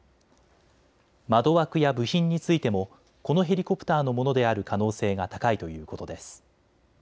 窓枠や部品についてもこのヘリコプターのものである可能性が高いということです。